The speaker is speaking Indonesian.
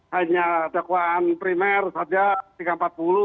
hanya dakwaan primer saja tiga ratus empat puluh